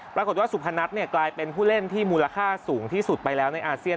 ปรากฏว่าสุพนัทกลายเป็นผู้เล่นที่มูลค่าสูงที่สุดไปแล้วในอาเซียน